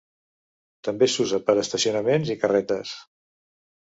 També s'usa per a estacionaments i carretes.